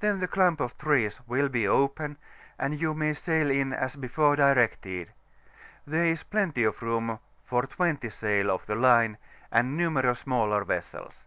then the clump of trees will be open, and you may sail in as before directed; there is plenty of room for 20 sail of the line, and numerous smaller vessels.